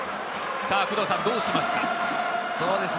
工藤さん、どうしますか？